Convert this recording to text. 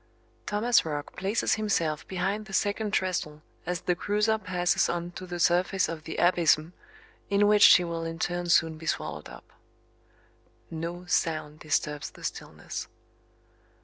Thomas Roch places himself behind the second trestle as the cruiser passes on to the surface of the abysm in which she will in turn soon be swallowed up. No sound disturbs the stillness.